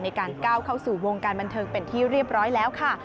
ในการก้าวเข้าสู่วงการบันเทิงเป็นที่เรียบร้อยแล้วค่ะ